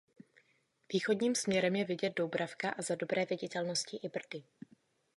Východním směrem je vidět Doubravka a za dobré viditelnosti i Brdy.